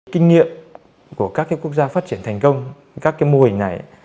kinh nghiệm của các quốc gia phát triển thành công các mô hình này